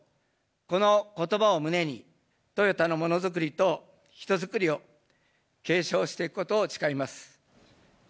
このことばを胸に、トヨタのもの作りと人作りを継承していくことを誓います。